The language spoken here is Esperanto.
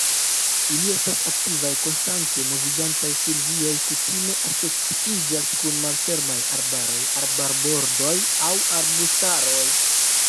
Ili estas aktivaj, konstante moviĝantaj; silvioj kutime asociiĝas kun malfermaj arbaroj, arbarbordoj aŭ arbustaroj.